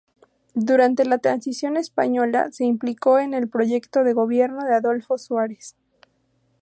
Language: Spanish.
Durante la Transición española se implicó en el proyecto de Gobierno de Adolfo Suárez.